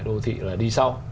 đô thị là đi sau